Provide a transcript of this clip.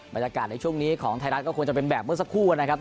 บรรยากาศในช่วงนี้ของไทยรัฐก็ควรจะเป็นแบบเมื่อสักครู่นะครับ